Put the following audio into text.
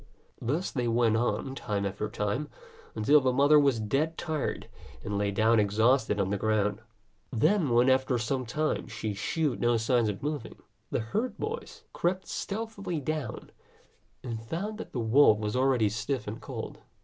Thus they went on time after time, until the mother was dead tired, and lay down exhausted on the ground. Then, when after some time she shewed no signs of moving, the herd boys crept stealthily down, and found that the wolf was already stiff and cold.